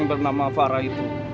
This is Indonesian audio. yang bernama farah itu